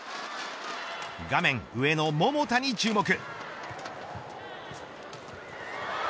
画面上の桃田に注目。